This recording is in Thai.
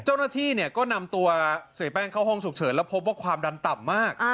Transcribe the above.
เจ้าหน้าที่เนี่ยก็นำตัวเสียแป้งเข้าห้องฉุกเฉินแล้วพบว่าความดันต่ำมาก